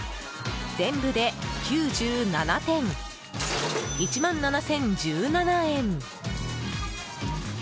全部で９７点、１万７０１７円。